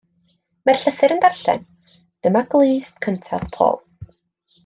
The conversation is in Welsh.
Mae'r llythyr yn darllen, Dyma glust cyntaf Paul.